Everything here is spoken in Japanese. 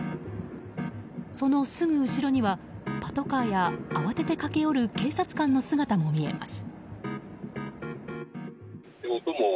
そのすぐ後ろにはパトカーや慌てて駆け寄る警察官の姿も見えます。